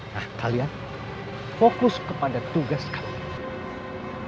nah kalian fokus kepada tugas kalian